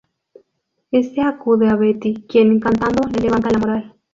Este acude a Betty, quien cantando le levanta la moral.